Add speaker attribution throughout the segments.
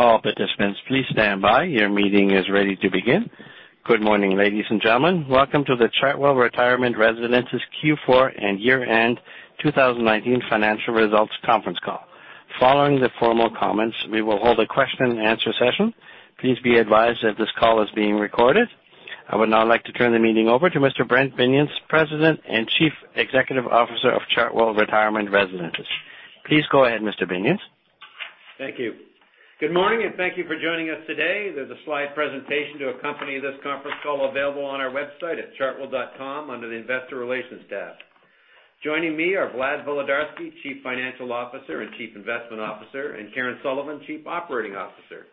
Speaker 1: All participants, please stand by. Your meeting is ready to begin. Good morning, ladies and gentlemen. Welcome to the Chartwell Retirement Residences Q4 and year-end 2019 financial results conference call. Following the formal comments, we will hold a question and answer session. Please be advised that this call is being recorded. I would now like to turn the meeting over to Mr. Brent Binions, President and Chief Executive Officer of Chartwell Retirement Residences. Please go ahead, Mr. Binions.
Speaker 2: Thank you. Good morning, and thank you for joining us today. There's a slide presentation to accompany this conference call available on our website at chartwell.com under the investor relations tab. Joining me are Vlad Volodarski, Chief Financial Officer and Chief Investment Officer, and Karen Sullivan, Chief Operating Officer.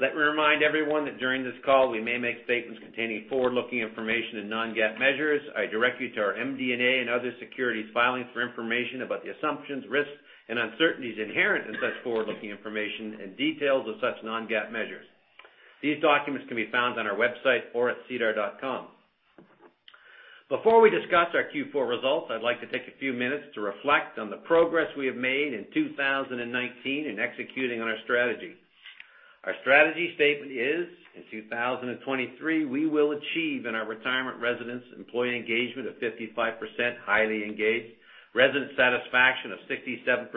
Speaker 2: Let me remind everyone that during this call, we may make statements containing forward-looking information and non-GAAP measures. I direct you to our MD&A and other securities filings for information about the assumptions, risks, and uncertainties inherent in such forward-looking information and details of such non-GAAP measures. These documents can be found on our website or at sedar.com. Before we discuss our Q4 results, I'd like to take a few minutes to reflect on the progress we have made in 2019 in executing on our strategy. Our strategy statement is, in 2023, we will achieve in our retirement residence employee engagement of 55% highly engaged, resident satisfaction of 67%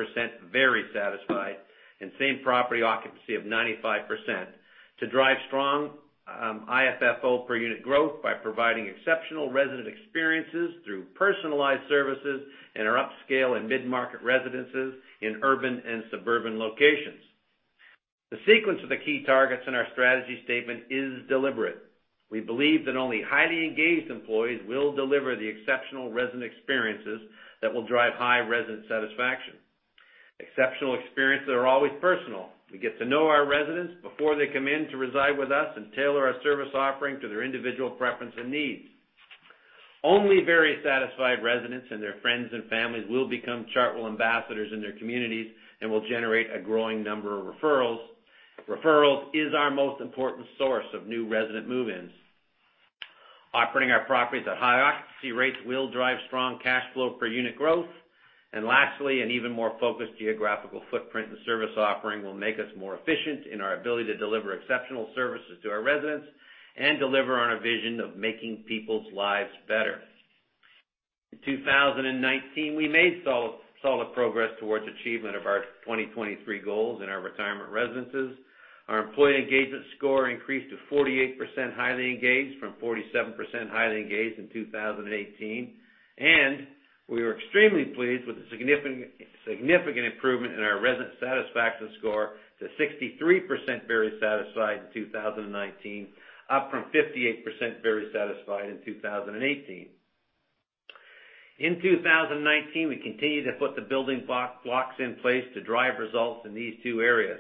Speaker 2: very satisfied, and same property occupancy of 95%, to drive strong FFO per unit growth by providing exceptional resident experiences through personalized services in our upscale and mid-market residences in urban and suburban locations. The sequence of the key targets in our strategy statement is deliberate. We believe that only highly engaged employees will deliver the exceptional resident experiences that will drive high resident satisfaction. Exceptional experiences are always personal. We get to know our residents before they come in to reside with us and tailor our service offering to their individual preference and needs. Only very satisfied residents and their friends and families will become Chartwell ambassadors in their communities and will generate a growing number of referrals. Referrals is our most important source of new resident move-ins. Operating our properties at high occupancy rates will drive strong cash flow per unit growth. Lastly, an even more focused geographical footprint and service offering will make us more efficient in our ability to deliver exceptional services to our residents and deliver on our vision of making people's lives better. In 2019, we made solid progress towards achievement of our 2023 goals in our retirement residences. Our employee engagement score increased to 48% highly engaged from 47% highly engaged in 2018, and we were extremely pleased with the significant improvement in our resident satisfaction score to 63% very satisfied in 2019, up from 58% very satisfied in 2018. In 2019, we continued to put the building blocks in place to drive results in these two areas.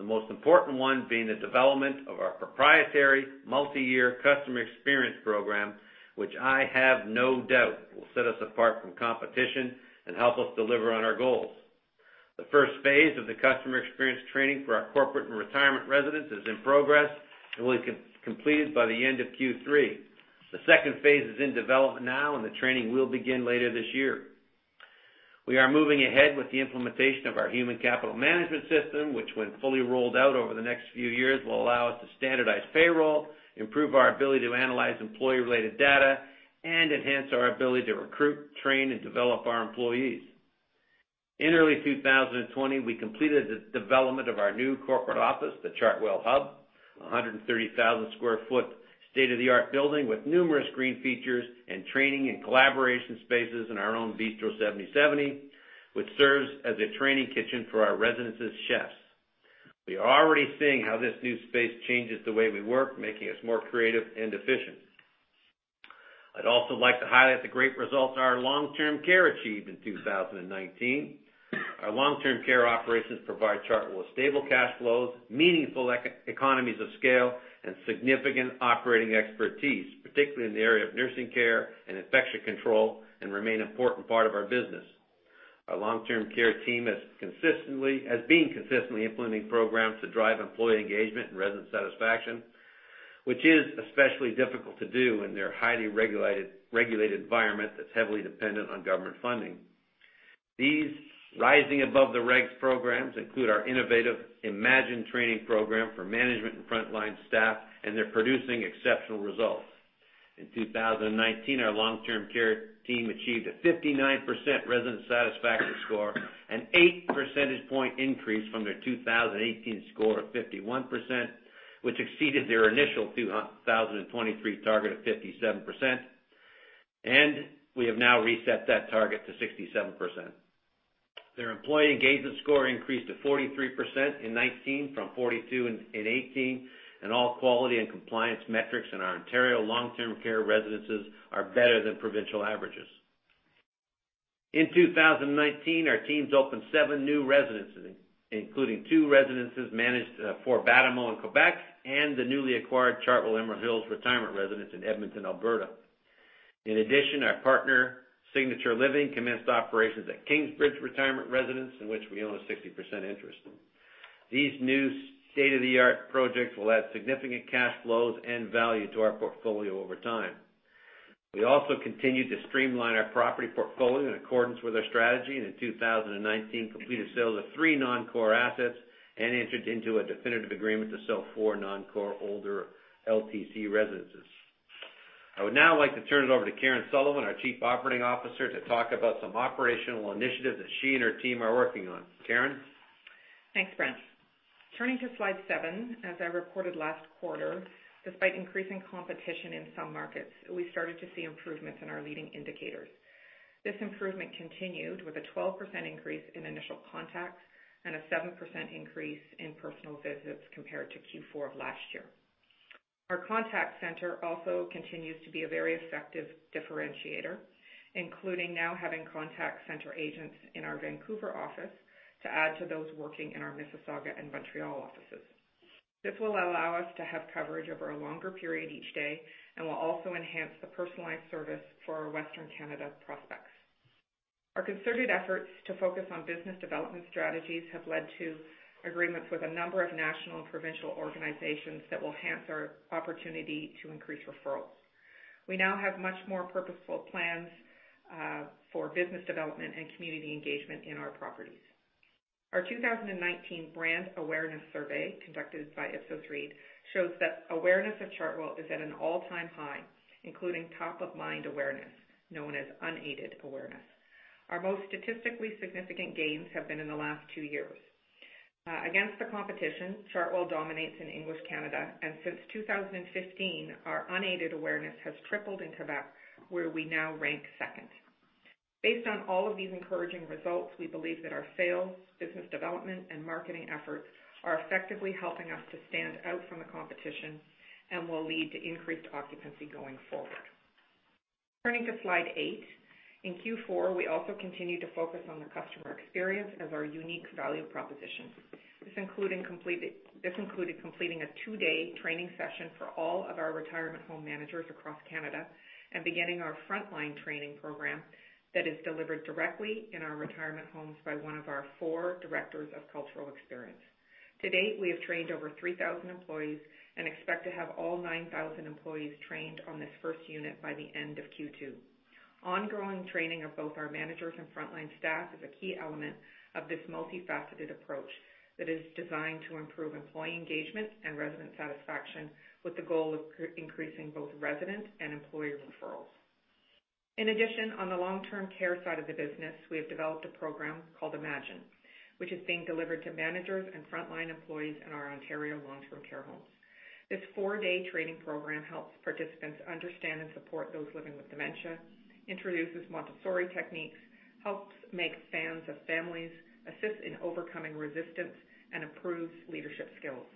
Speaker 2: The most important one being the development of our proprietary multi-year customer experience program, which I have no doubt will set us apart from competition and help us deliver on our goals. The first phase of the customer experience training for our corporate and retirement residents is in progress and will be completed by the end of Q3. The second phase is in development now, and the training will begin later this year. We are moving ahead with the implementation of our human capital management system, which when fully rolled out over the next few years will allow us to standardize payroll, improve our ability to analyze employee-related data, and enhance our ability to recruit, train, and develop our employees. In early 2020, we completed the development of our new corporate office, the Chartwell Hub, 130,000 sq ft state-of-the-art building with numerous green features and training and collaboration spaces in our own Bistro 7070, which serves as a training kitchen for our residences' chefs. We are already seeing how this new space changes the way we work, making us more creative and efficient. I'd also like to highlight the great results our long-term care achieved in 2019. Our long-term care operations provide Chartwell stable cash flows, meaningful economies of scale, and significant operating expertise, particularly in the area of nursing care and infection control, and remain an important part of our business. Our long-term care team has been consistently implementing programs to drive employee engagement and resident satisfaction, which is especially difficult to do in their highly regulated environment that's heavily dependent on government funding. These rising above the regs programs include our innovative Imagine training program for management and frontline staff. They're producing exceptional results. In 2019, our long-term care team achieved a 59% resident satisfaction score, an eight percentage point increase from their 2018 score of 51%, which exceeded their initial 2023 target of 57%. We have now reset that target to 67%. Their employee engagement score increased to 43% in 2019 from 42% in 2018. All quality and compliance metrics in our Ontario long-term care residences are better than provincial averages. In 2019, our teams opened seven new residences, including two residences managed for Batimo in Quebec and the newly acquired Chartwell Emerald Hills Retirement Residence in Edmonton, Alberta. In addition, our partner, Signature Living, commenced operations at Kingsbridge Retirement Residence, in which we own a 60% interest. These new state-of-the-art projects will add significant cash flows and value to our portfolio over time. We also continued to streamline our property portfolio in accordance with our strategy, and in 2019, completed sales of three non-core assets and entered into a definitive agreement to sell four non-core older LTC residences. I would now like to turn it over to Karen Sullivan, our Chief Operating Officer, to talk about some operational initiatives that she and her team are working on. Karen?
Speaker 3: Thanks, Brent. Turning to slide seven. As I reported last quarter, despite increasing competition in some markets, we started to see improvements in our leading indicators. This improvement continued with a 12% increase in initial contacts and a 7% increase in personal visits compared to Q4 of last year. Our contact center also continues to be a very effective differentiator, including now having contact center agents in our Vancouver office to add to those working in our Mississauga and Montreal offices. This will allow us to have coverage over a longer period each day and will also enhance the personalized service for our Western Canada prospects. Our concerted efforts to focus on business development strategies have led to agreements with a number of national and provincial organizations that will enhance our opportunity to increase referrals. We now have much more purposeful plans for business development and community engagement in our properties. Our 2019 brand awareness survey, conducted by Ipsos Reid, shows that awareness of Chartwell is at an all-time high, including top-of-mind awareness, known as unaided awareness. Our most statistically significant gains have been in the last two years. Against the competition, Chartwell dominates in English Canada, and since 2015, our unaided awareness has tripled in Quebec, where we now rank second. Based on all of these encouraging results, we believe that our sales, business development, and marketing efforts are effectively helping us to stand out from the competition and will lead to increased occupancy going forward. Turning to slide eight. In Q4, we also continued to focus on the customer experience as our unique value proposition. This included completing a two-day training session for all of our retirement home managers across Canada and beginning our frontline training program that is delivered directly in our retirement homes by one of our four directors of cultural experience. To date, we have trained over 3,000 employees and expect to have all 9,000 employees trained on this first unit by the end of Q2. Ongoing training of both our managers and frontline staff is a key element of this multifaceted approach that is designed to improve employee engagement and resident satisfaction with the goal of increasing both resident and employee referrals. In addition, on the long-term care side of the business, we have developed a program called Imagine, which is being delivered to managers and frontline employees in our Ontario long-term care homes. This four-day training program helps participants understand and support those living with dementia, introduces Montessori techniques, helps make fans of families, assists in overcoming resistance, and improves leadership skills.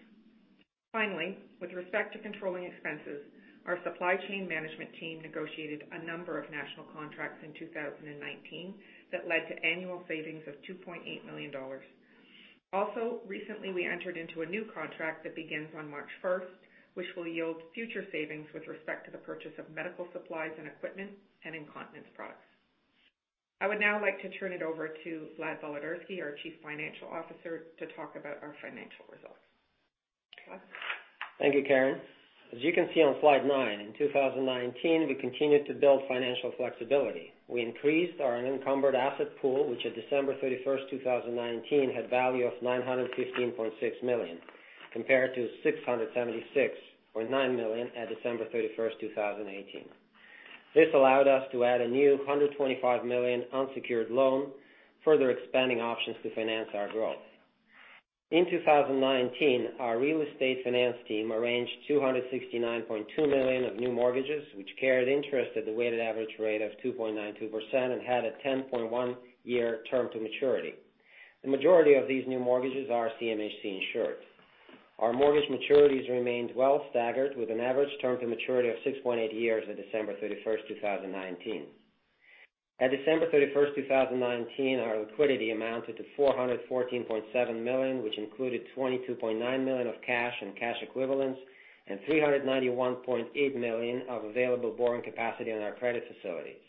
Speaker 3: Finally, with respect to controlling expenses, our supply chain management team negotiated a number of national contracts in 2019 that led to annual savings of 2.8 million dollars. Also, recently, we entered into a new contract that begins on March 1st, which will yield future savings with respect to the purchase of medical supplies and equipment and incontinence products. I would now like to turn it over to Vlad Volodarski, our Chief Financial Officer, to talk about our financial results. Vlad?
Speaker 4: Thank you, Karen. As you can see on slide nine, in 2019, we continued to build financial flexibility. We increased our unencumbered asset pool, which at December 31st, 2019, had value of 915.6 million, compared to 676.9 million at December 31st, 2018. This allowed us to add a new 125 million unsecured loan, further expanding options to finance our growth. In 2019, our real estate finance team arranged 269.2 million of new mortgages, which carried interest at the weighted average rate of 2.92% and had a 10.1 year term to maturity. The majority of these new mortgages are CMHC insured. Our mortgage maturities remained well staggered with an average term to maturity of 6.8 years at December 31st, 2019. At December 31st, 2019, our liquidity amounted to 414.7 million, which included 22.9 million of cash and cash equivalents and 391.8 million of available borrowing capacity on our credit facilities.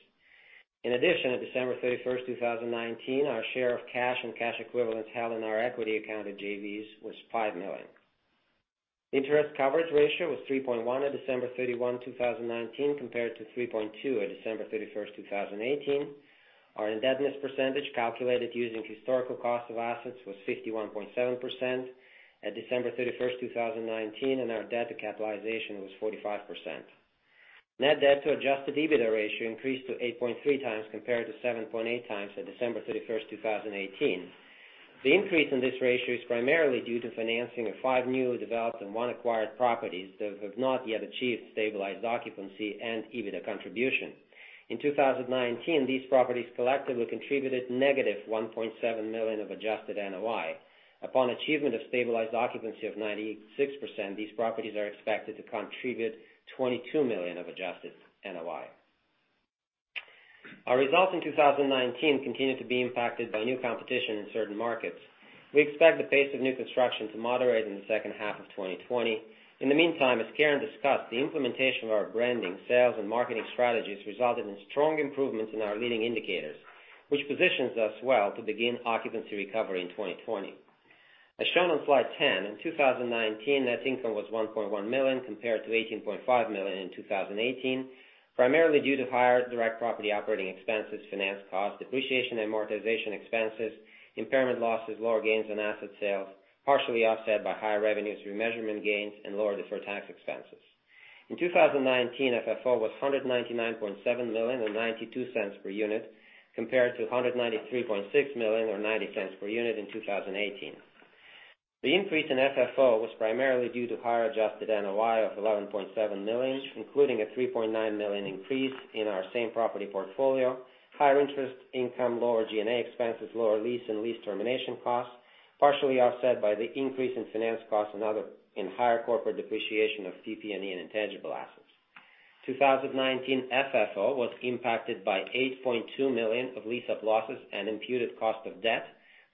Speaker 4: In addition, at December 31, 2019, our share of cash and cash equivalents held in our equity account at JVs was 5 million. Interest coverage ratio was 3.1 at December 31, 2019, compared to 3.2 at December 31, 2018. Our indebtedness percentage calculated using historical cost of assets, was 51.7% at December 31, 2019, and our debt to capitalization was 45%. Net debt to adjusted EBITDA ratio increased to 8.3 times compared to 7.8 times at December 31, 2018. The increase in this ratio is primarily due to financing of five new developed and one acquired properties that have not yet achieved stabilized occupancy and EBITDA contribution. In 2019, these properties collectively contributed negative 1.7 million of adjusted NOI. Upon achievement of stabilized occupancy of 96%, these properties are expected to contribute 22 million of adjusted NOI. Our results in 2019 continued to be impacted by new competition in certain markets. We expect the pace of new construction to moderate in the second half of 2020. In the meantime, as Karen discussed, the implementation of our branding, sales, and marketing strategies resulted in strong improvements in our leading indicators, which positions us well to begin occupancy recovery in 2020. As shown on slide 10, in 2019, net income was 1.1 million compared to 18.5 million in 2018, primarily due to higher direct property operating expenses, finance cost, depreciation, amortization expenses, impairment losses, lower gains on asset sales, partially offset by higher revenues through measurement gains, and lower deferred tax expenses. In 2019, FFO was 199.7 million or 0.92 per unit, compared to 193.6 million or 0.90 per unit in 2018. The increase in FFO was primarily due to higher adjusted NOI of 11.7 million, including a 3.9 million increase in our same property portfolio, higher interest income, lower G&A expenses, lower lease and lease termination costs, partially offset by the increase in finance costs and higher corporate depreciation of PP&E and intangible assets. 2019 FFO was impacted by 8.2 million of lease-up losses and imputed cost of debt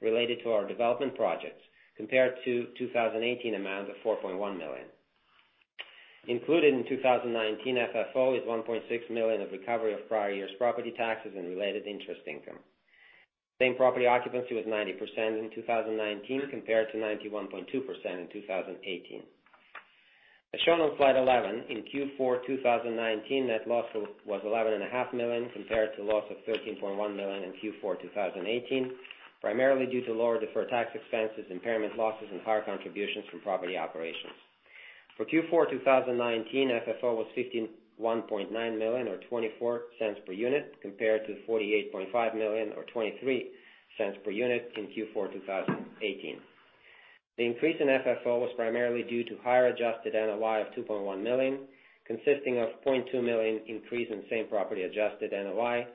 Speaker 4: related to our development projects, compared to 2018 amount of 4.1 million. Included in 2019 FFO is 1.6 million of recovery of prior year's property taxes and related interest income. Same property occupancy was 90% in 2019, compared to 91.2% in 2018. As shown on slide 11, in Q4 2019, net loss was 11.5 million compared to a loss of 13.1 million in Q4 2018, primarily due to lower deferred tax expenses, impairment losses, and higher contributions from property operations. For Q4 2019, FFO was 51.9 million, or 0.24 per unit, compared to 48.5 million or 0.23 per unit in Q4 2018. The increase in FFO was primarily due to higher adjusted NOI of 2.1 million, consisting of 0.2 million increase in same property adjusted NOI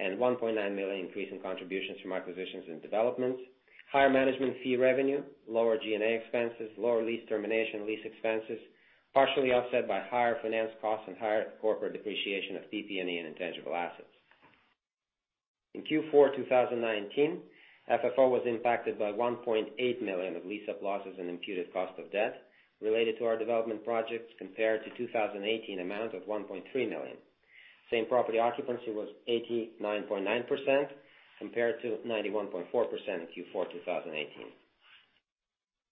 Speaker 4: and 1.9 million increase in contributions from acquisitions and developments, higher management fee revenue, lower G&A expenses, lower lease termination lease expenses, partially offset by higher finance costs and higher corporate depreciation of PP&E and intangible assets. In Q4 2019, FFO was impacted by 1.8 million of lease-up losses and imputed cost of debt related to our development projects, compared to 2018 amount of 1.3 million. Same property occupancy was 89.9%, compared to 91.4% in Q4 2018.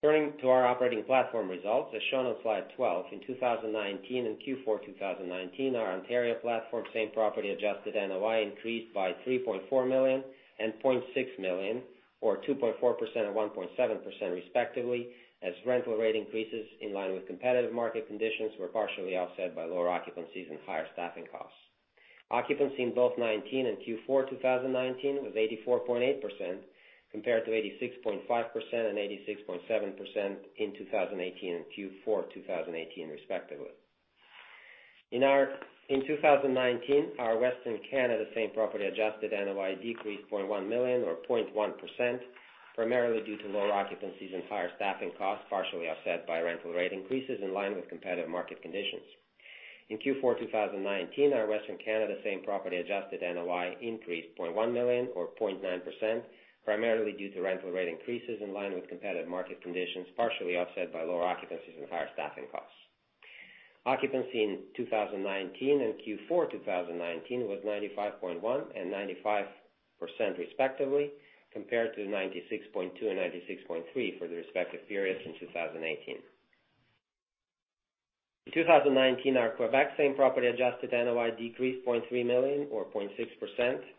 Speaker 4: Turning to our operating platform results, as shown on slide 12, in 2019 and Q4 2019, our Ontario platform same property adjusted NOI increased by 3.4 million and 0.6 million, or 2.4% and 1.7% respectively, as rental rate increases in line with competitive market conditions were partially offset by lower occupancies and higher staffing costs. Occupancy in both 2019 and Q4 2019 was 84.8%, compared to 86.5% and 86.7% in 2018 and Q4 2018 respectively. In 2019, our Western Canada same property adjusted NOI decreased 0.1 million or 0.1%, primarily due to lower occupancies and higher staffing costs, partially offset by rental rate increases in line with competitive market conditions. In Q4 2019, our Western Canada same property adjusted NOI increased 0.1 million or 0.9%, primarily due to rental rate increases in line with competitive market conditions, partially offset by lower occupancies and higher staffing costs. Occupancy in 2019 and Q4 2019 was 95.1 and 95%, respectively, compared to 96.2 and 96.3 for the respective periods in 2018. In 2019, our Quebec same property adjusted NOI decreased 0.3 million or 0.6%,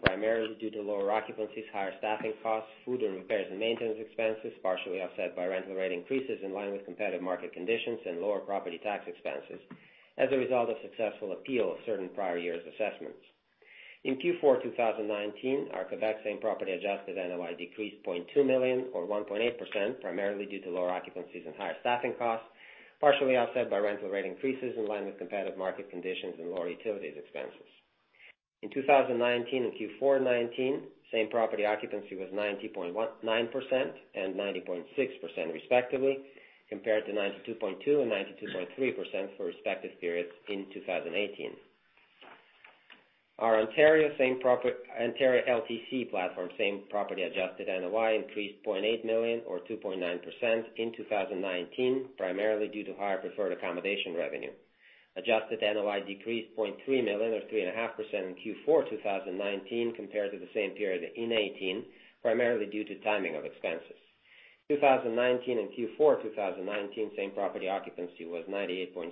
Speaker 4: primarily due to lower occupancies, higher staffing costs, food and repairs and maintenance expenses, partially offset by rental rate increases in line with competitive market conditions and lower property tax expenses as a result of successful appeal of certain prior year's assessments. In Q4 2019, our Quebec same property adjusted NOI decreased 0.2 million or 1.8%, primarily due to lower occupancies and higher staffing costs, partially offset by rental rate increases in line with competitive market conditions and lower utilities expenses. In 2019 and Q4 2019, same property occupancy was 90.9% and 90.6% respectively, compared to 92.2 and 92.3% for respective periods in 2018. Our Ontario LTC platform same property adjusted NOI increased 0.8 million or 2.9% in 2019, primarily due to higher preferred accommodation revenue. Adjusted NOI decreased 0.3 million or 3.5% in Q4 2019 compared to the same period in 2018, primarily due to timing of expenses. 2019 and Q4 2019 same property occupancy was 98.6%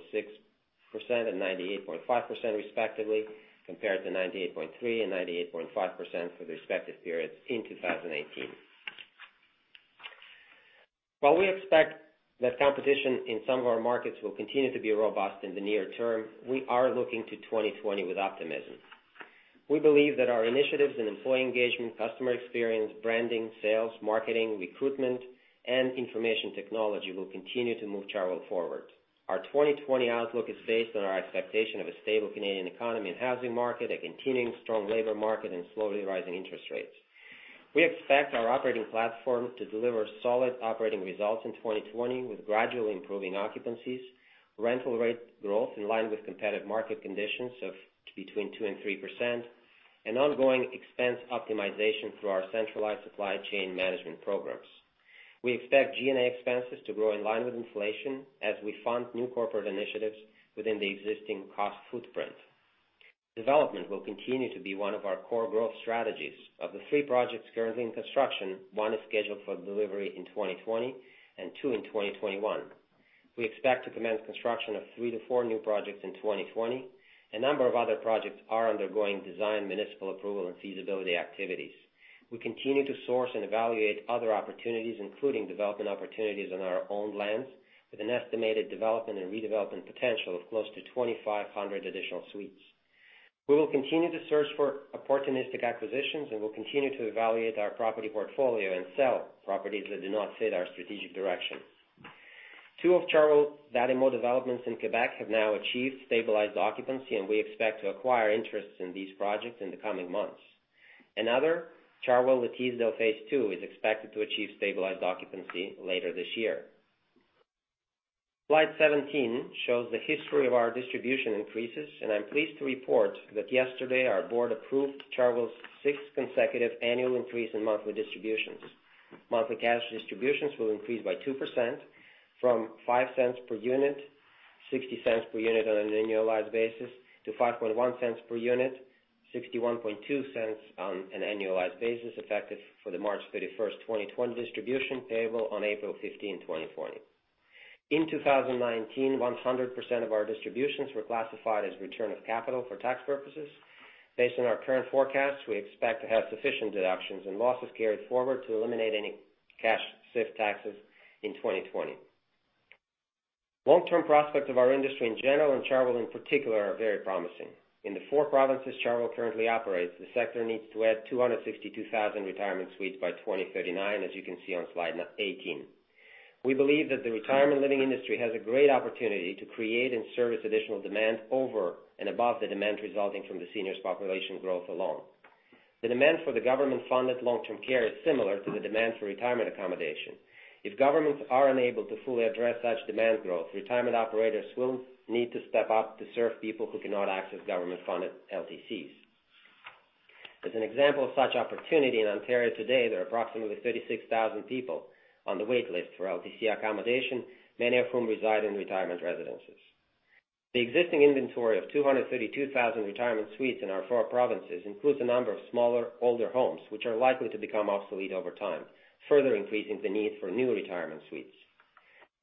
Speaker 4: and 98.5% respectively, compared to 98.3% and 98.5% for the respective periods in 2018. While we expect that competition in some of our markets will continue to be robust in the near term, we are looking to 2020 with optimism. We believe that our initiatives in employee engagement, customer experience, branding, sales, marketing, recruitment, and information technology will continue to move Chartwell forward. Our 2020 outlook is based on our expectation of a stable Canadian economy and housing market, a continuing strong labor market, and slowly rising interest rates. We expect our operating platform to deliver solid operating results in 2020 with gradually improving occupancies, rental rate growth in line with competitive market conditions of between 2% and 3%, and ongoing expense optimization through our centralized supply chain management programs. We expect G&A expenses to grow in line with inflation as we fund new corporate initiatives within the existing cost footprint. Development will continue to be one of our core growth strategies. Of the three projects currently in construction, one is scheduled for delivery in 2020 and two in 2021. We expect to commence construction of three to four new projects in 2020. A number of other projects are undergoing design, municipal approval, and feasibility activities. We continue to source and evaluate other opportunities, including development opportunities on our own lands, with an estimated development and redevelopment potential of close to 2,500 additional suites. We will continue to search for opportunistic acquisitions, and we'll continue to evaluate our property portfolio and sell properties that do not fit our strategic direction. Two of Chartwell's value developments in Quebec have now achieved stabilized occupancy, and we expect to acquire interests in these projects in the coming months. Another, Chartwell L'Étincelle phase two, is expected to achieve stabilized occupancy later this year. Slide 17 shows the history of our distribution increases, and I'm pleased to report that yesterday our board approved Chartwell's sixth consecutive annual increase in monthly distributions. Monthly cash distributions will increase by 2% from 0.05 per unit, 0.60 per unit on an annualized basis, to 0.051 per unit, 0.612 on an annualized basis, effective for the March 31st, 2020 distribution payable on April 15, 2020. In 2019, 100% of our distributions were classified as return of capital for tax purposes. Based on our current forecasts, we expect to have sufficient deductions and losses carried forward to eliminate any cash CIT taxes in 2020. Long-term prospects of our industry in general, and Chartwell in particular, are very promising. In the four provinces Chartwell currently operates, the sector needs to add 262,000 retirement suites by 2039, as you can see on slide 18. We believe that the retirement living industry has a great opportunity to create and service additional demand over and above the demand resulting from the seniors' population growth alone. The demand for the government-funded long-term care is similar to the demand for retirement accommodation. If governments are unable to fully address such demand growth, retirement operators will need to step up to serve people who cannot access government-funded LTCs. As an example of such opportunity, in Ontario today, there are approximately 36,000 people on the wait list for LTC accommodation, many of whom reside in retirement residences. The existing inventory of 232,000 retirement suites in our four provinces includes a number of smaller, older homes, which are likely to become obsolete over time, further increasing the need for new retirement suites.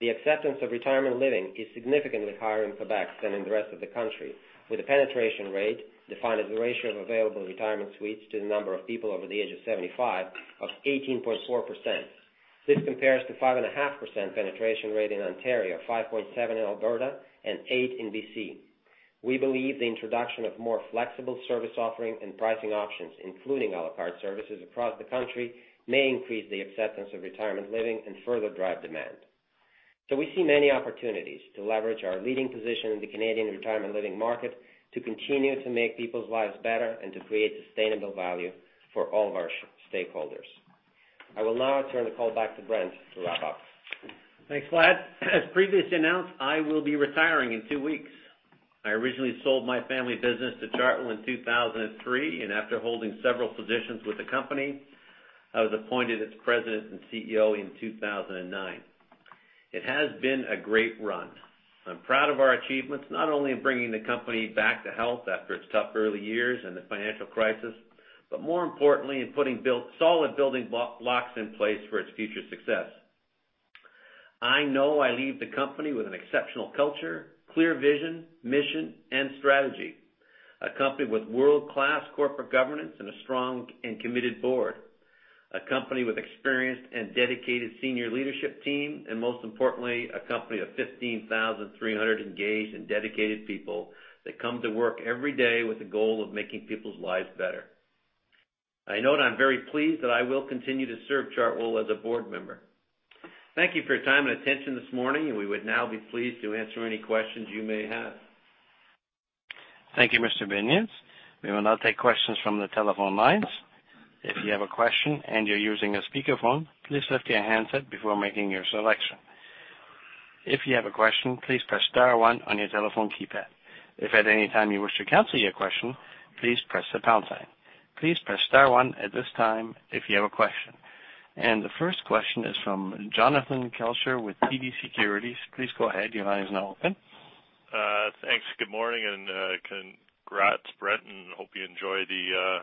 Speaker 4: The acceptance of retirement living is significantly higher in Quebec than in the rest of the country, with a penetration rate defined as the ratio of available retirement suites to the number of people over the age of 75, of 18.4%. This compares to 5.5% penetration rate in Ontario, 5.7 in Alberta, and 8% in B.C. We believe the introduction of more flexible service offerings and pricing options, including a la carte services across the country, may increase the acceptance of retirement living and further drive demand. We see many opportunities to leverage our leading position in the Canadian retirement living market, to continue to make people's lives better, and to create sustainable value for all of our stakeholders. I will now turn the call back to Brent to wrap up.
Speaker 2: Thanks, Vlad. As previously announced, I will be retiring in two weeks. I originally sold my family business to Chartwell in 2003, and after holding several positions with the company, I was appointed as President and CEO in 2009. It has been a great run. I'm proud of our achievements, not only in bringing the company back to health after its tough early years and the financial crisis, but more importantly, in putting solid building blocks in place for its future success. I know I leave the company with an exceptional culture, clear vision, mission, and strategy. A company with world-class corporate governance and a strong and committed board, a company with experienced and dedicated senior leadership team, and most importantly, a company of 15,300 engaged and dedicated people that come to work every day with the goal of making people's lives better. I note I'm very pleased that I will continue to serve Chartwell as a board member. Thank you for your time and attention this morning, and we would now be pleased to answer any questions you may have.
Speaker 1: Thank you, Mr. Binions. We will now take questions from the telephone lines. If you have a question and you're using a speakerphone, please lift your handset before making your selection. If you have a question, please press star one on your telephone keypad. If at any time you wish to cancel your question, please press the pound sign. Please press star one at this time if you have a question. The first question is from Jonathan Kelcher with TD Securities. Please go ahead. Your line is now open.
Speaker 5: Thanks. Good morning and congrats, Brent, and hope you enjoy the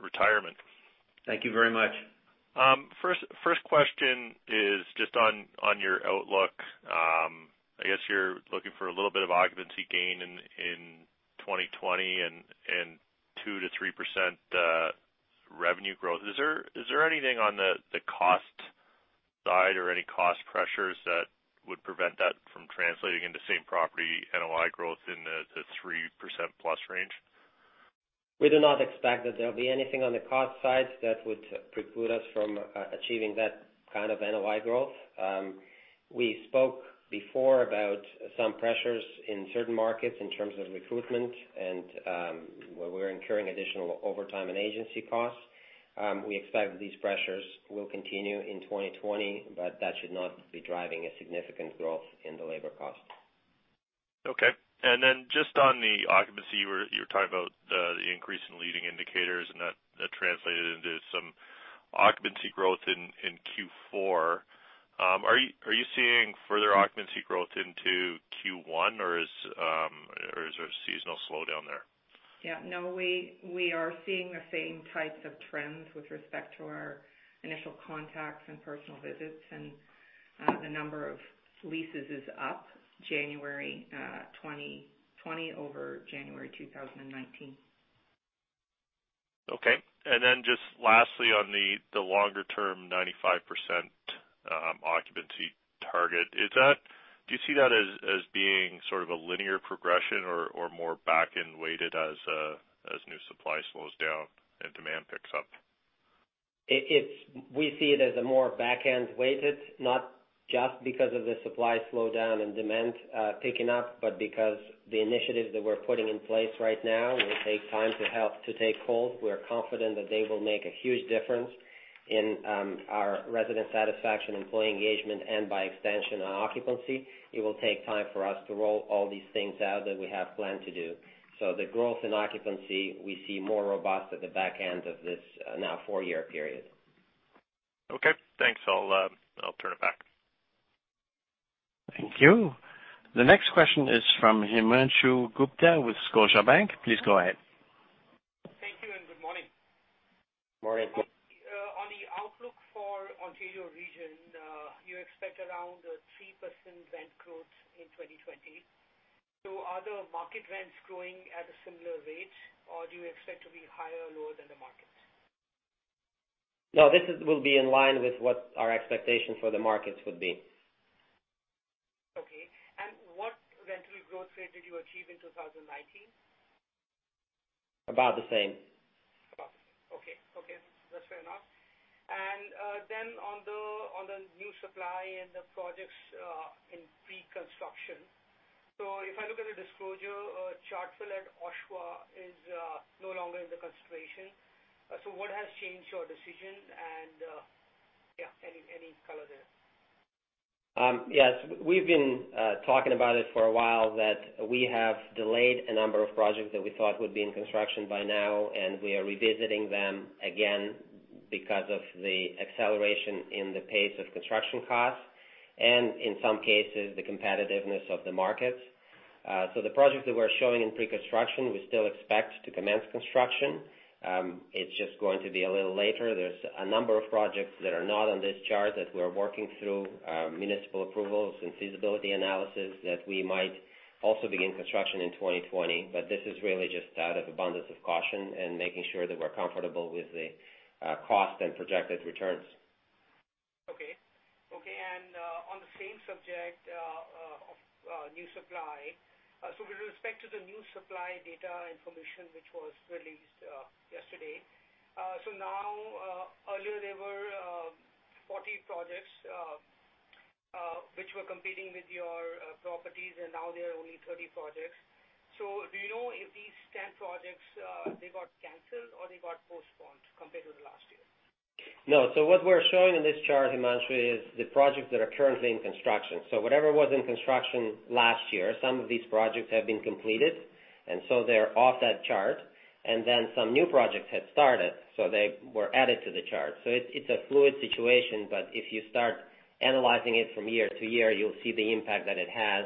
Speaker 5: retirement.
Speaker 2: Thank you very much.
Speaker 5: First question is just on your outlook. I guess you are looking for a little bit of occupancy gain in 2020 and 2%-3% revenue growth. Is there anything on the cost side or any cost pressures that would prevent that from translating into same property NOI growth in the 3%+ range?
Speaker 4: We do not expect that there'll be anything on the cost side that would preclude us from achieving that kind of NOI growth. We spoke before about some pressures in certain markets in terms of recruitment and where we're incurring additional overtime and agency costs. We expect that these pressures will continue in 2020, that should not be driving a significant growth in the labor cost.
Speaker 5: Okay. Just on the occupancy, you were talking about the increase in leading indicators and that translated into some. Occupancy growth in Q4. Are you seeing further occupancy growth into Q1, or is there a seasonal slowdown there?
Speaker 3: Yeah, no, we are seeing the same types of trends with respect to our initial contacts and personal visits. The number of leases is up January 2020 over January 2019.
Speaker 5: Okay. Then just lastly, on the longer-term 95% occupancy target, do you see that as being sort of a linear progression or more back-end weighted as new supply slows down and demand picks up?
Speaker 4: We see it as a more back-end weighted, not just because of the supply slowdown and demand picking up, but because the initiatives that we're putting in place right now will take time to take hold. We're confident that they will make a huge difference in our resident satisfaction, employee engagement, and by extension, our occupancy. It will take time for us to roll all these things out that we have planned to do. The growth in occupancy, we see more robust at the back end of this now four-year period.
Speaker 5: Okay, thanks. I'll turn it back.
Speaker 1: Thank you. The next question is from Himanshu Gupta with Scotiabank. Please go ahead.
Speaker 6: Thank you. Good morning.
Speaker 4: Morning.
Speaker 6: On the outlook for Ontario region, you expect around 3% rent growth in 2020. Are the market rents growing at a similar rate, or do you expect to be higher or lower than the markets?
Speaker 4: No, this will be in line with what our expectation for the markets would be.
Speaker 6: Okay. What rental growth rate did you achieve in 2019?
Speaker 4: About the same.
Speaker 6: About the same. Okay. That's fair enough. On the new supply and the projects in pre-construction. If I look at the disclosure, Chartwell at Oshawa is no longer in the consideration. What has changed your decision? Yeah, any color there?
Speaker 4: Yes. We've been talking about it for a while, that we have delayed a number of projects that we thought would be in construction by now, and we are revisiting them again because of the acceleration in the pace of construction costs, and in some cases, the competitiveness of the markets. The projects that we're showing in pre-construction, we still expect to commence construction. It's just going to be a little later. There's a number of projects that are not on this chart that we're working through municipal approvals and feasibility analysis that we might also begin construction in 2020. This is really just out of abundance of caution and making sure that we're comfortable with the cost and projected returns.
Speaker 6: Okay. On the same subject of new supply. With respect to the new supply data information, which was released yesterday. Now, earlier there were 40 projects, which were competing with your properties, and now there are only 30 projects. Do you know if these 10 projects, they got canceled or they got postponed compared to the last year?
Speaker 4: No. What we're showing in this chart, Himanshu, is the projects that are currently in construction. Whatever was in construction last year, some of these projects have been completed, and they're off that chart. Some new projects have started, they were added to the chart. It's a fluid situation, but if you start analyzing it from year to year, you'll see the impact that it has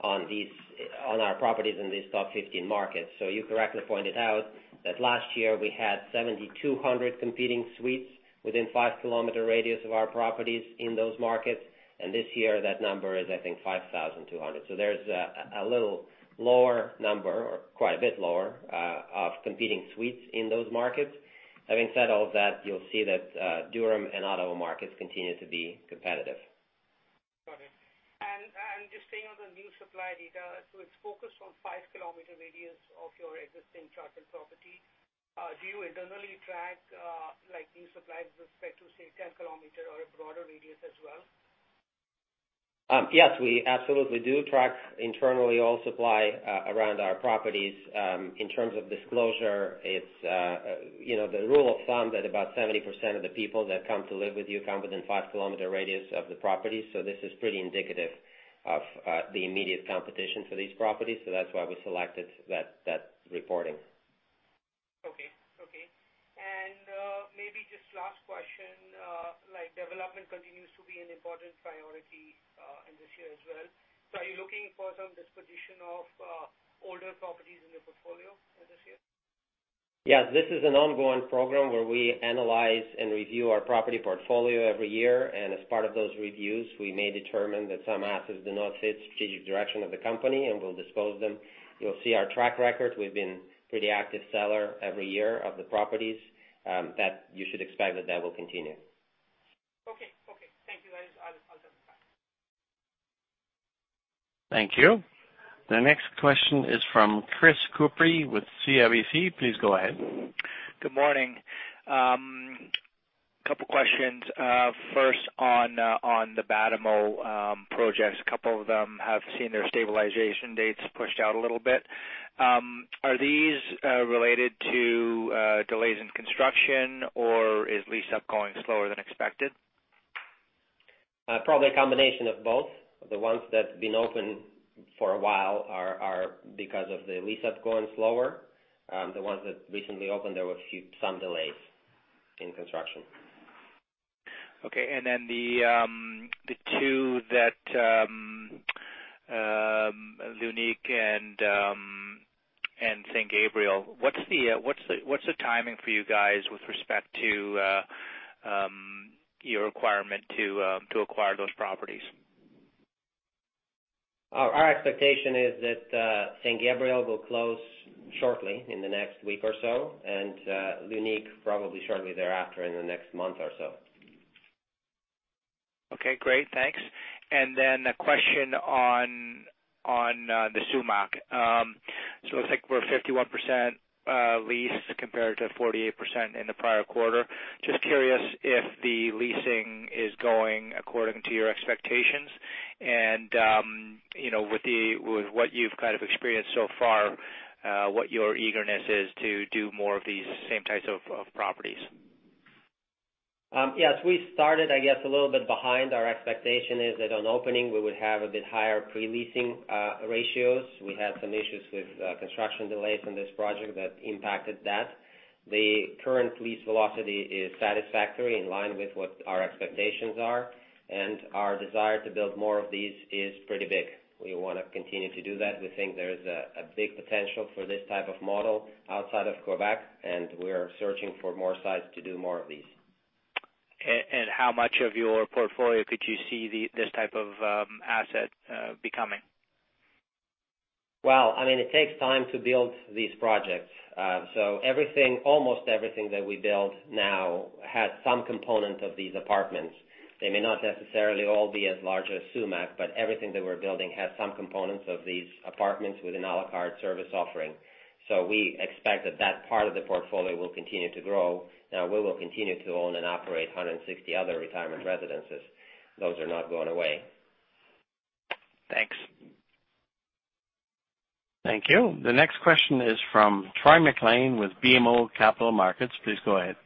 Speaker 4: on our properties in these top 15 markets. You correctly pointed out that last year we had 7,200 competing suites within 5 km radius of our properties in those markets. This year, that number is, I think, 5,200. There's a little lower number, or quite a bit lower, of competing suites in those markets. Having said all that, you'll see that Durham and Ottawa markets continue to be competitive.
Speaker 6: Got it. Just staying on the new supply data. It's focused on 5 km radius of your existing Chartwell property. Do you internally track new supply with respect to, say, 10 km or a broader radius as well?
Speaker 4: Yes, we absolutely do track internally all supply around our properties. In terms of disclosure, it's the rule of thumb that about 70% of the people that come to live with you come within five km radius of the property. This is pretty indicative of the immediate competition for these properties. That's why we selected that reporting.
Speaker 6: Okay. Maybe just last question. Development continues to be an important priority in this year as well. Are you looking for some disposition of older properties in the portfolio for this year?
Speaker 4: Yes. This is an ongoing program where we analyze and review our property portfolio every year. As part of those reviews, we may determine that some assets do not fit strategic direction of the company, and we'll dispose them. You'll see our track record. We've been pretty active seller every year of the properties. You should expect that that will continue.
Speaker 6: Okay. Thank you, guys. I'll jump back.
Speaker 1: Thank you. The next question is from Chris Couprie with CIBC. Please go ahead.
Speaker 7: Good morning. Couple questions. First on the Batimo projects. A couple of them have seen their stabilization dates pushed out a little bit. Are these related to delays in construction, or is lease-up going slower than expected?
Speaker 4: Probably a combination of both. The ones that's been open for a while are because of the lease-ups going slower. The ones that recently opened, there were some delays in construction.
Speaker 7: Okay. The two that, L'Unique and Saint-Gabriel, what's the timing for you guys with respect to your requirement to acquire those properties?
Speaker 4: Our expectation is that Saint-Gabriel will close shortly in the next week or so. L'Unique probably shortly thereafter in the next month or so.
Speaker 7: Okay, great. Thanks. Then a question on The Sumach. It looks like we're 51% leased compared to 48% in the prior quarter. Just curious if the leasing is going according to your expectations and, with what you've kind of experienced so far, what your eagerness is to do more of these same types of properties.
Speaker 4: Yes. We started, I guess, a little bit behind. Our expectation is that on opening, we would have a bit higher pre-leasing ratios. We had some issues with construction delays on this project that impacted that. The current lease velocity is satisfactory, in line with what our expectations are. Our desire to build more of these is pretty big. We want to continue to do that. We think there's a big potential for this type of model outside of Quebec. We are searching for more sites to do more of these.
Speaker 7: How much of your portfolio could you see this type of asset becoming?
Speaker 4: Well, it takes time to build these projects. Almost everything that we build now has some component of these apartments. They may not necessarily all be as large as Sumac, but everything that we're building has some components of these apartments with an a la carte service offering. We expect that that part of the portfolio will continue to grow. We will continue to own and operate 160 other retirement residences. Those are not going away.
Speaker 7: Thanks.
Speaker 1: Thank you. The next question is from Troy MacLean with BMO Capital Markets. Please go ahead.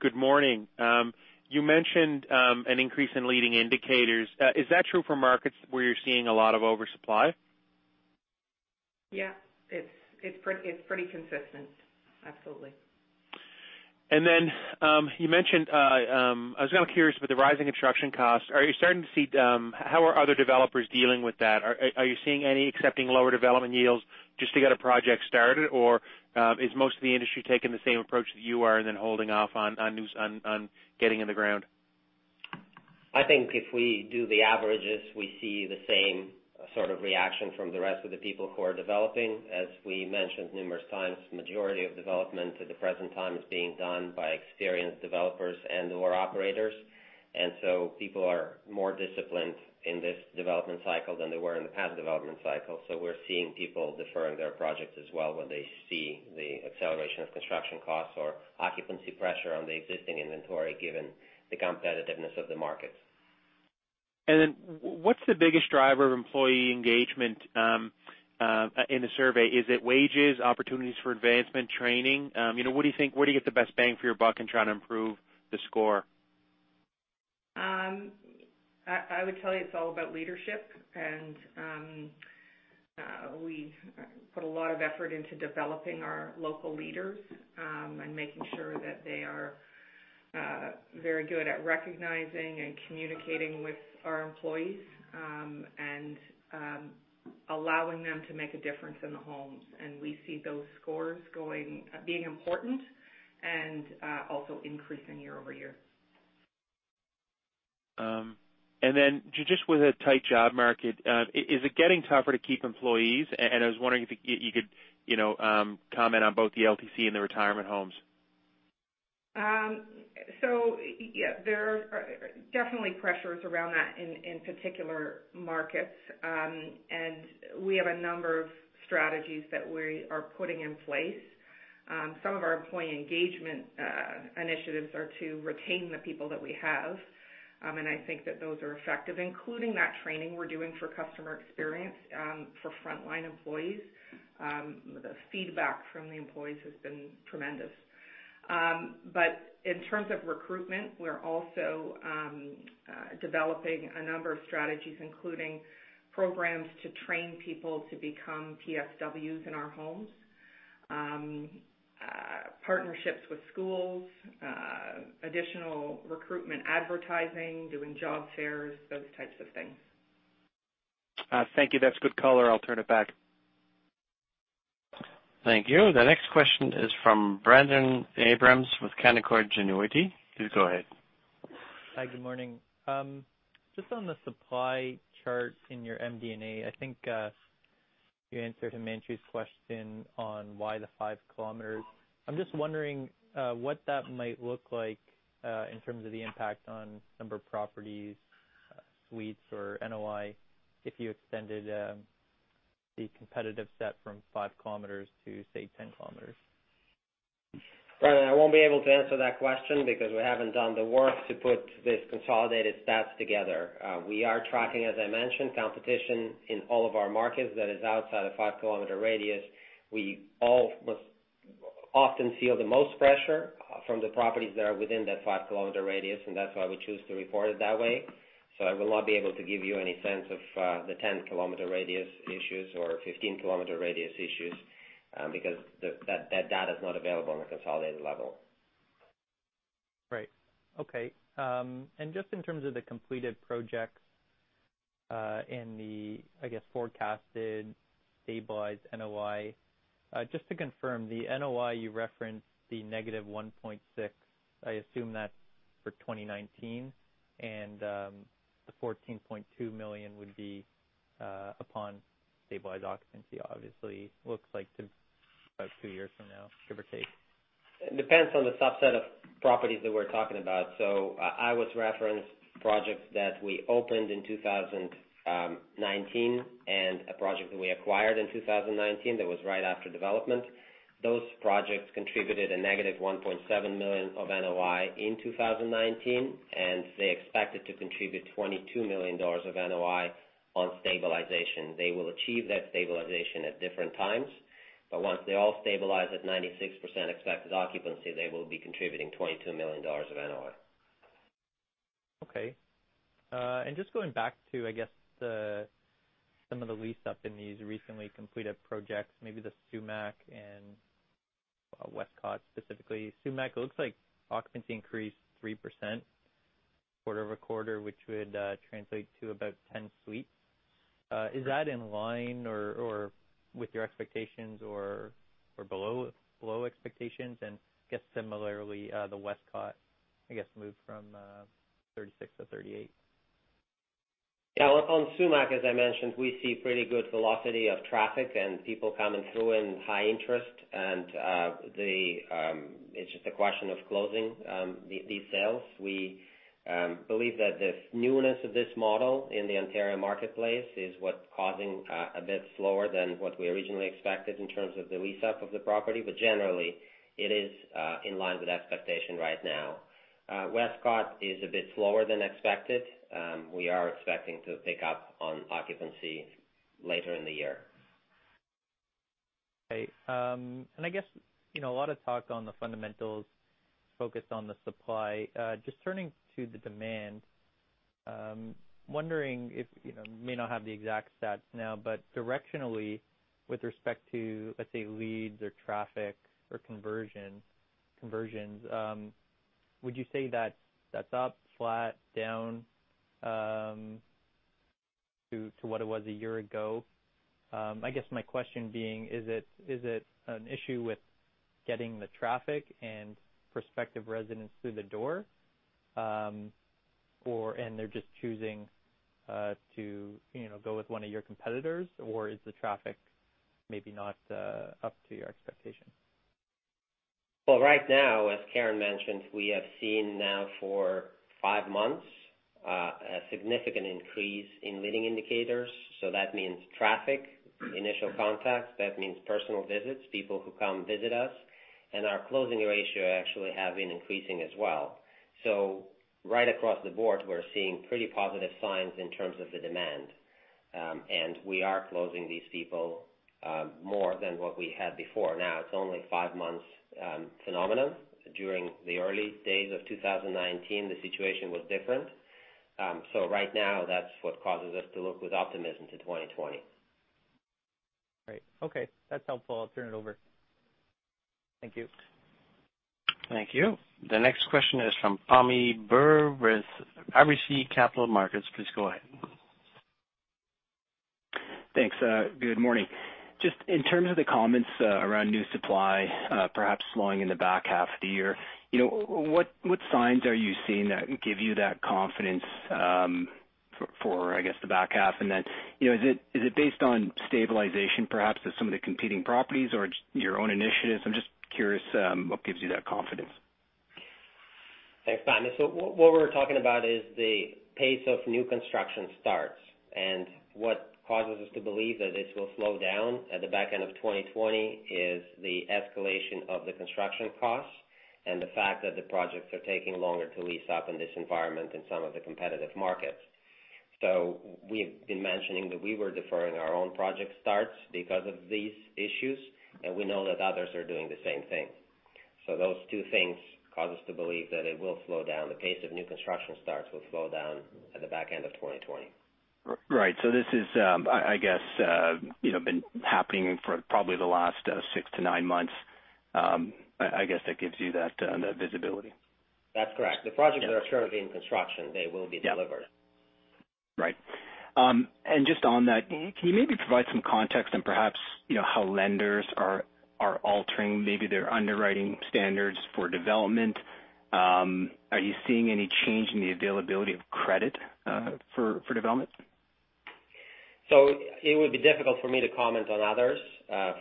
Speaker 8: Good morning. You mentioned an increase in leading indicators. Is that true for markets where you're seeing a lot of oversupply?
Speaker 3: Yeah. It's pretty consistent. Absolutely.
Speaker 8: You mentioned, I was kind of curious with the rising construction cost, how are other developers dealing with that? Are you seeing any accepting lower development yields just to get a project started? Is most of the industry taking the same approach that you are and then holding off on getting in the ground?
Speaker 4: I think if we do the averages, we see the same sort of reaction from the rest of the people who are developing. As we mentioned numerous times, majority of development at the present time is being done by experienced developers and/or operators. People are more disciplined in this development cycle than they were in the past development cycle. We're seeing people deferring their projects as well when they see the acceleration of construction costs or occupancy pressure on the existing inventory, given the competitiveness of the markets.
Speaker 8: What's the biggest driver of employee engagement in the survey? Is it wages, opportunities for advancement, training? Where do you get the best bang for your buck in trying to improve the score?
Speaker 3: I would tell you it's all about leadership, and we put a lot of effort into developing our local leaders, and making sure that they are very good at recognizing and communicating with our employees, and allowing them to make a difference in the homes. We see those scores being important and also increasing year-over-year.
Speaker 8: Just with a tight job market, is it getting tougher to keep employees? I was wondering if you could comment on both the LTC and the retirement homes.
Speaker 3: Yeah, there are definitely pressures around that in particular markets. We have a number of strategies that we are putting in place. Some of our employee engagement initiatives are to retain the people that we have. I think that those are effective, including that training we're doing for customer experience, for frontline employees. The feedback from the employees has been tremendous. In terms of recruitment, we're also developing a number of strategies, including programs to train people to become PSWs in our homes, partnerships with schools, additional recruitment advertising, doing job fairs, those types of things.
Speaker 8: Thank you. That's good color. I'll turn it back.
Speaker 1: Thank you. The next question is from Brendon Abrams with Canaccord Genuity. Please go ahead.
Speaker 9: Hi, good morning. Just on the supply charts in your MD&A, I think you answered Himanshu's question on why the 5 km. I'm just wondering what that might look like, in terms of the impact on number of properties, suites or NOI, if you extended the competitive set from 5 km to, say, 10 km.
Speaker 4: Brendon, I won't be able to answer that question because we haven't done the work to put these consolidated stats together. We are tracking, as I mentioned, competition in all of our markets that is outside a 5 km radius. We almost often feel the most pressure from the properties that are within that 5 km radius. That's why we choose to report it that way. I will not be able to give you any sense of the 10 km radius issues or 15 km radius issues, because that data is not available on a consolidated level.
Speaker 9: Right. Okay. Just in terms of the completed projects, and the, I guess, forecasted stabilized NOI. Just to confirm, the NOI you referenced the -1.6, I assume that's for 2019, and the 14.2 million would be upon stabilized occupancy obviously. Looks like about two years from now, give or take.
Speaker 4: It depends on the subset of properties that we're talking about. I always reference projects that we opened in 2019 and a project that we acquired in 2019 that was right after development. Those projects contributed a negative 1.7 million of NOI in 2019, and they expected to contribute 22 million dollars of NOI on stabilization. They will achieve that stabilization at different times. Once they all stabilize at 96% expected occupancy, they will be contributing 22 million dollars of NOI.
Speaker 9: Okay. Just going back to, I guess, some of the lease up in these recently completed projects, maybe The Sumach and Wescott specifically. The Sumach, it looks like occupancy increased 3% quarter-over-quarter, which would translate to about 10 suites. Is that in line or with your expectations or below expectations? I guess similarly, the Wescott, I guess, moved from 36 to 38.
Speaker 4: Yeah. On Sumac, as I mentioned, we see pretty good velocity of traffic and people coming through and high interest. It's just a question of closing these sales. We believe that the newness of this model in the Ontario marketplace is what's causing a bit slower than what we originally expected in terms of the lease up of the property. Generally, it is in line with expectation right now. Wescott is a bit slower than expected. We are expecting to pick up on occupancy later in the year.
Speaker 9: Okay. I guess, a lot of talk on the fundamentals focused on the supply. Just turning to the demand, wondering if, may not have the exact stats now, but directionally with respect to, let's say, leads or traffic or conversions, would you say that that's up, flat, down, to what it was a year ago? I guess my question being, is it an issue with getting the traffic and prospective residents through the door, and they're just choosing to go with one of your competitors? Is the traffic maybe not up to your expectations?
Speaker 4: Well, right now, as Karen mentioned, we have seen now for five months, a significant increase in leading indicators. That means traffic, initial contacts. That means personal visits, people who come visit us. Our closing ratio actually have been increasing as well. Right across the board, we're seeing pretty positive signs in terms of the demand. We are closing these people, more than what we had before. Now, it's only five months phenomenon. During the early days of 2019, the situation was different. Right now, that's what causes us to look with optimism to 2020.
Speaker 9: Great. Okay. That's helpful. I'll turn it over. Thank you.
Speaker 1: Thank you. The next question is from Pammi Bir with RBC Capital Markets. Please go ahead.
Speaker 10: Thanks. Good morning. Just in terms of the comments around new supply perhaps slowing in the back half of the year. What signs are you seeing that give you that confidence for, I guess, the back half? Is it based on stabilization perhaps of some of the competing properties or your own initiatives? I'm just curious what gives you that confidence.
Speaker 4: Thanks, Pammi. What we're talking is the pace of new construction starts. What causes us to believe that this will slow down at the back end of 2020 is the escalation of the construction costs and the fact that the projects are taking longer to lease up in this environment in some of the competitive markets. We've been mentioning that we were deferring our own project starts because of these issues, and we know that others are doing the same thing. Those two things cause us to believe that it will slow down. The pace of new construction starts will slow down at the back end of 2020.
Speaker 10: Right. This is, I guess, been happening for probably the last six to nine months. I guess that gives you that visibility.
Speaker 4: That's correct. The projects that are currently in construction, they will be delivered.
Speaker 10: Yeah. Right. Just on that, can you maybe provide some context on perhaps how lenders are altering maybe their underwriting standards for development? Are you seeing any change in the availability of credit for development?
Speaker 4: It would be difficult for me to comment on others.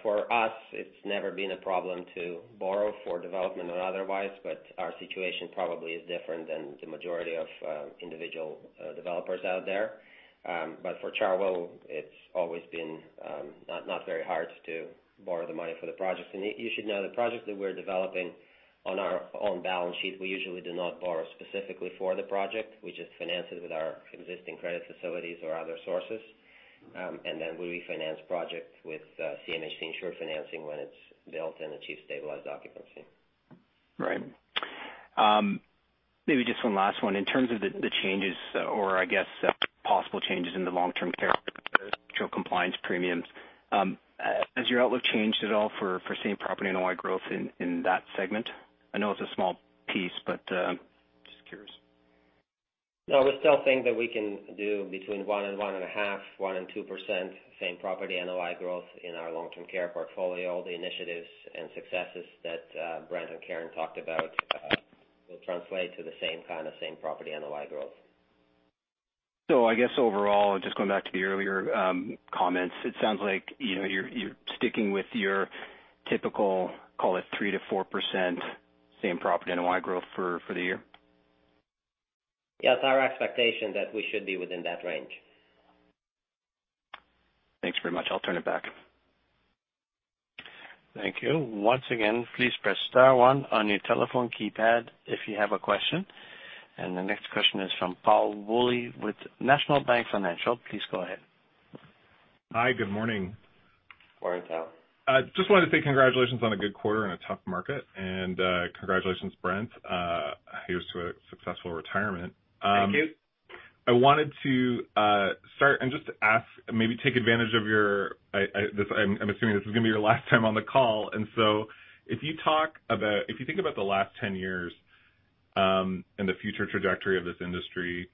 Speaker 4: For us, it's never been a problem to borrow for development or otherwise, but our situation probably is different than the majority of individual developers out there. For Chartwell, it's always been not very hard to borrow the money for the projects. You should know the projects that we're developing on our own balance sheet, we usually do not borrow specifically for the project. We just finance it with our existing credit facilities or other sources. Then we refinance projects with CMHC insured financing when it's built and achieves stabilized occupancy.
Speaker 10: Right. Maybe just one last one. In terms of the changes or I guess possible changes in the long-term care structural compliance premiums, has your outlook changed at all for same property NOI growth in that segment? I know it's a small piece, but just curious.
Speaker 4: No, we still think that we can do between 1% and 1.5%, 1% and 2% same property NOI growth in our long-term care portfolio. The initiatives and successes that Brent and Karen talked about will translate to the same kind of same property NOI growth.
Speaker 10: I guess overall, just going back to the earlier comments, it sounds like you're sticking with your typical, call it 3%-4%, same property NOI growth for the year?
Speaker 4: Yes, our expectation that we should be within that range.
Speaker 10: Thanks very much. I'll turn it back.
Speaker 1: Thank you. Once again, please press star one on your telephone keypad if you have a question. The next question is from Tal Woolley with National Bank Financial. Please go ahead.
Speaker 11: Hi, good morning.
Speaker 4: Morning, Tal.
Speaker 11: Just wanted to say congratulations on a good quarter in a tough market. Congratulations, Brent. Here's to a successful retirement.
Speaker 2: Thank you.
Speaker 11: I wanted to start and just ask, maybe take advantage of your, I'm assuming this is gonna be your last time on the call. If you think about the last 10 years, and the future trajectory of this industry,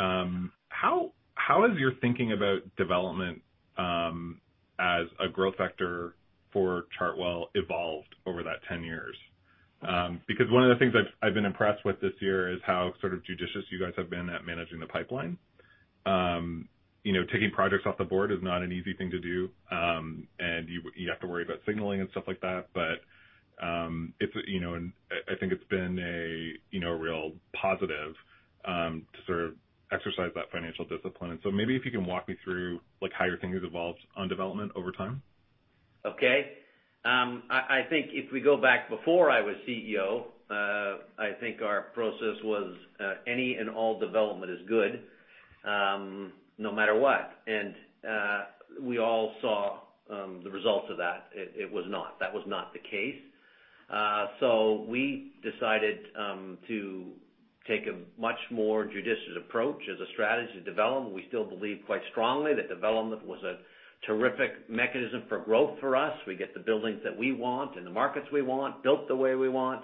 Speaker 11: how has your thinking about development, as a growth vector for Chartwell evolved over that 10 years? One of the things I've been impressed with this year is how sort of judicious you guys have been at managing the pipeline. Taking projects off the board is not an easy thing to do, and you have to worry about signaling and stuff like that. I think it's been a real positive to sort of exercise that financial discipline. Maybe if you can walk me through, how your thinking has evolved on development over time.
Speaker 2: Okay. I think if we go back before I was CEO, I think our process was any and all development is good, no matter what. We all saw the results of that. It was not. That was not the case. We decided to take a much more judicious approach as a strategy to development. We still believe quite strongly that development was a terrific mechanism for growth for us. We get the buildings that we want, in the markets we want, built the way we want.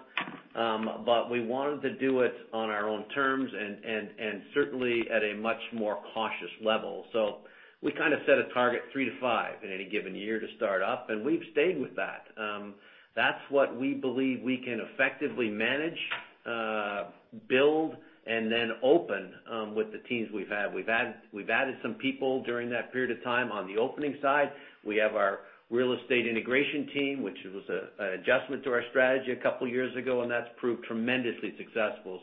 Speaker 2: We wanted to do it on our own terms and certainly at a much more cautious level. We kind of set a target 3-5 in any given year to start up, and we've stayed with that. That's what we believe we can effectively manage, build, and then open with the teams we've had.
Speaker 4: We've added some people during that period of time on the opening side. We have our real estate integration team, which was an adjustment to our strategy a couple of years ago, and that's proved tremendously successful.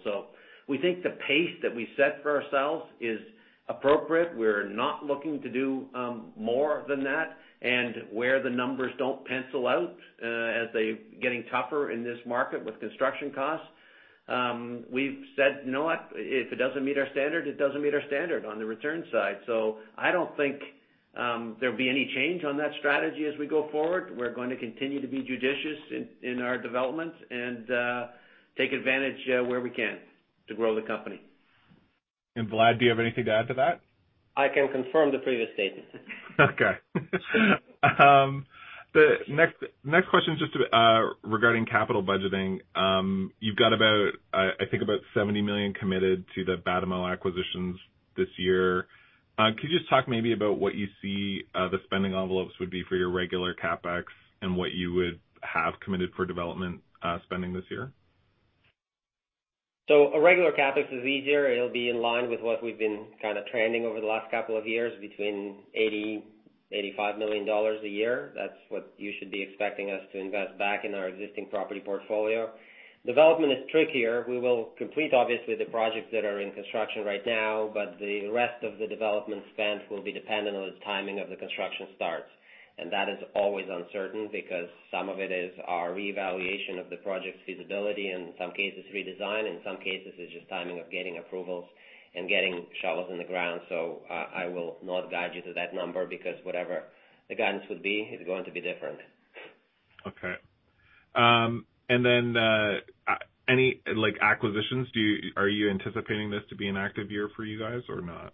Speaker 4: We think the pace that we set for ourselves is appropriate. We're not looking to do more than that, and where the numbers don't pencil out, as they're getting tougher in this market with construction costs, we've said, "No." If it doesn't meet our standard, it doesn't meet our standard on the return side. I don't think there'll be any change on that strategy as we go forward. We're going to continue to be judicious in our development and take advantage where we can to grow the company.
Speaker 11: Vlad, do you have anything to add to that?
Speaker 4: I can confirm the previous statement.
Speaker 11: Okay. The next question is just regarding capital budgeting. You've got about, I think, about 70 million committed to the Batimo acquisitions this year. Could you just talk maybe about what you see the spending envelopes would be for your regular CapEx and what you would have committed for development spending this year?
Speaker 4: A regular CapEx is easier. It will be in line with what we have been kind of trending over the last couple of years, between 80 million-85 million dollars a year. That is what you should be expecting us to invest back in our existing property portfolio. Development is trickier. We will complete, obviously, the projects that are in construction right now, but the rest of the development spend will be dependent on the timing of the construction starts. That is always uncertain because some of it is our reevaluation of the project’s feasibility, in some cases redesign, in some cases, it is just timing of getting approvals and getting shovels in the ground. I will not guide you to that number because whatever the guidance would be, it is going to be different.
Speaker 11: Okay. Any acquisitions? Are you anticipating this to be an active year for you guys or not?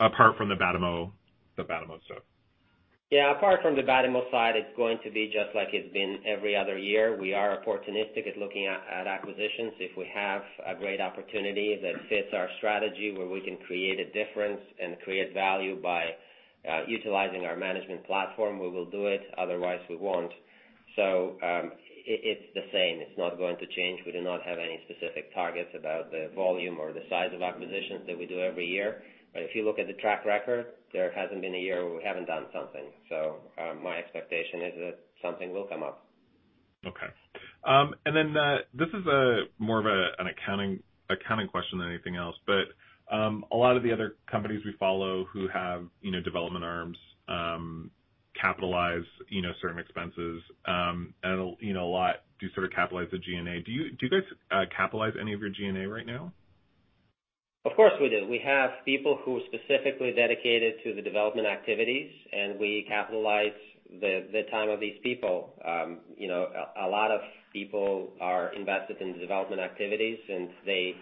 Speaker 11: Apart from the Batimo stuff.
Speaker 4: Yeah. Apart from the Batimo side, it's going to be just like it's been every other year. We are opportunistic at looking at acquisitions. If we have a great opportunity that fits our strategy, where we can create a difference and create value by utilizing our management platform, we will do it. Otherwise, we won't. It's the same. It's not going to change. We do not have any specific targets about the volume or the size of acquisitions that we do every year. If you look at the track record, there hasn't been a year where we haven't done something. My expectation is that something will come up.
Speaker 11: Okay. This is more of an accounting question than anything else, but a lot of the other companies we follow who have development arms capitalize certain expenses, and a lot do sort of capitalize the G&A. Do you guys capitalize any of your G&A right now?
Speaker 4: Of course, we do. We have people who are specifically dedicated to the development activities, and we capitalize the time of these people. A lot of people are invested in the development activities, and they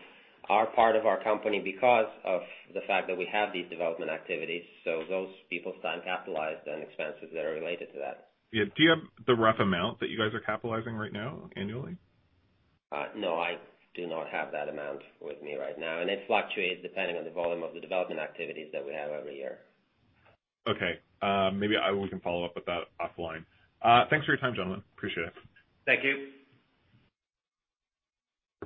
Speaker 4: are part of our company because of the fact that we have these development activities. Those people's time capitalized and expenses that are related to that.
Speaker 11: Yeah. Do you have the rough amount that you guys are capitalizing right now annually?
Speaker 4: No, I do not have that amount with me right now. It fluctuates depending on the volume of the development activities that we have every year.
Speaker 11: Okay. Maybe we can follow up with that offline. Thanks for your time, gentlemen. Appreciate it.
Speaker 4: Thank you.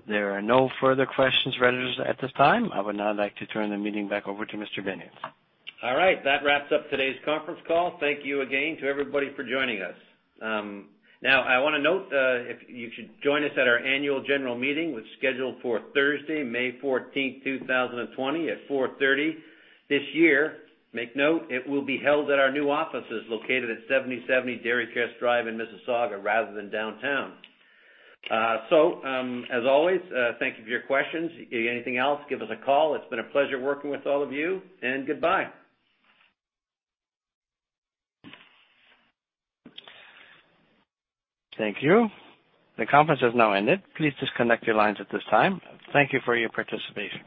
Speaker 1: There are no further questions, operators at this time. I would now like to turn the meeting back over to Mr. Binions.
Speaker 2: All right. That wraps up today's conference call. Thank you again to everybody for joining us. Now, I want to note, you should join us at our annual general meeting, which is scheduled for Thursday, May 14th, 2020 at 4:30 P.M. This year, make note, it will be held at our new offices located at 7070 Derrycrest Drive in Mississauga rather than downtown. As always, thank you for your questions. Anything else, give us a call. It's been a pleasure working with all of you, and goodbye.
Speaker 1: Thank you. The conference has now ended. Please disconnect your lines at this time. Thank you for your participation.